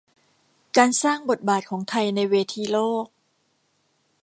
การสร้างบทบาทของไทยในเวทีโลก